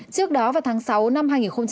trước đó vào tháng sáu năm hai nghìn một mươi tám